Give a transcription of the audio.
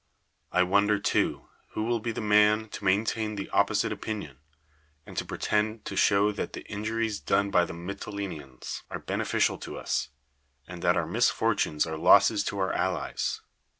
I won der, too, who will be the man to maintain the opposite opinion, and to pretend to show that the injuries done by the Mytileneans are bene ficial to us, and that our misfortunes are losses to our allies.